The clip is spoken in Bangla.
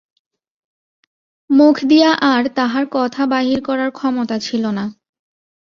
মুখ দিয়া আর তাহার কথা বাহির করার ক্ষমতা ছিল না।